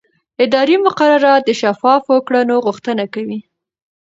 اداري مقررات د شفافو کړنو غوښتنه کوي.